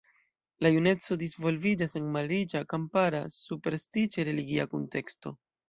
La juneco disvolviĝas en malriĉa, kampara superstiĉe religia kunteksto.